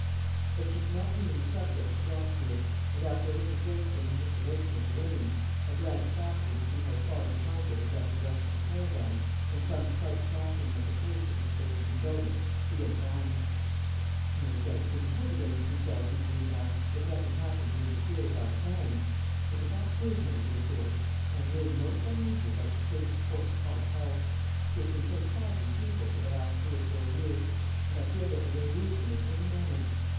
But she did not mean the subject to drop here; and after a little graceful manipulation of the reins, a glance backward to see how far behind they had left the rest of the caravan, and some slight slackening of the pace at which they had been going, she went on. "No doubt things would arrange themselves easily enough, if nothing happened to interfere with our plans. But the fact is, my dear George, I am really most uneasy about the state of poor papa's health. He has been so sadly feeble for the last three or four years, and I feel that we may lose him at any moment.